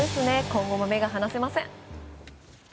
今後も目が離せません。